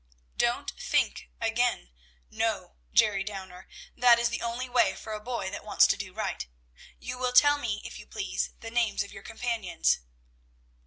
"Don't think again; know, Jerry Downer: that is the only way for a boy that wants to do right. You will tell me, if you please, the names of your companions."